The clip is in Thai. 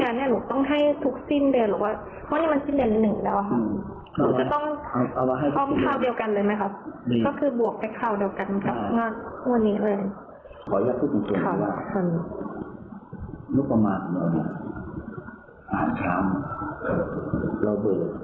นุขประมาธอาหารท้าวน่ะเพราะระเบิด